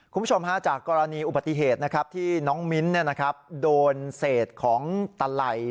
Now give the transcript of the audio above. คุณผู้ชมฮะจากกรณีอุบัติเหตุที่น้องมิ้นโดนเศษของตะไหล่